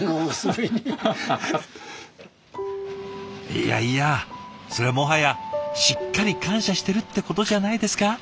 いやいやそれもはやしっかり感謝してるってことじゃないですか？